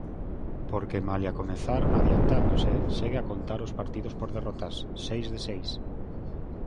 Porque malia comezar adiantándose, segue a contar os partidos por derrotas, seis de seis.